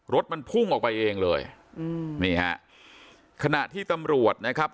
รถมันพุ่งออกไปเองเลยอืมนี่ฮะขณะที่ตำรวจนะครับ